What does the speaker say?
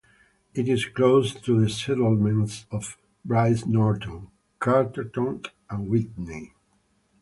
It is close to the settlements of Brize Norton, Carterton and Witney.